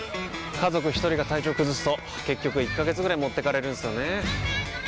家族一人が体調崩すと結局１ヶ月ぐらい持ってかれるんすよねー。